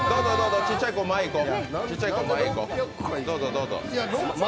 ちっちゃい子、前行こう。